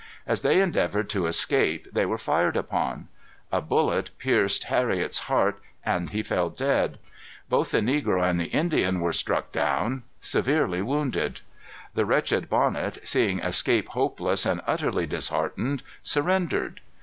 As they endeavored to escape they were fired upon. A bullet pierced Hariot's heart, and he fell dead. Both the negro and the Indian were struck down severely wounded. The wretched Bonnet, seeing escape hopeless, and utterly disheartened, surrendered.